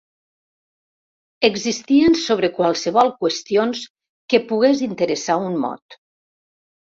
Existien sobre qualssevol qüestions que pogués interessar un mod.